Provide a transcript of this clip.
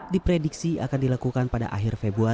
diprediksi akan diperoleh